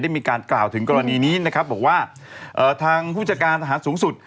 มีการกล่าวถึงกรณีนี้นะครับบอกว่าเอ่อทางผู้จัดการทหารสูงสุด